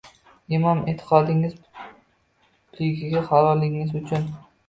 – Imon-e’tiqodingiz butligi, halolligingiz uchun.